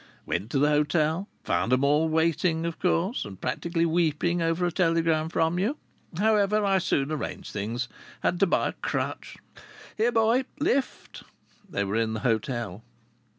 Went to the hotel. Found 'em all waiting, of course, and practically weeping over a telegram from you. However, I soon arranged things. Had to buy a crutch.... Here, boy, lift!" They were in the hotel.